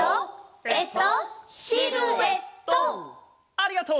ありがとう！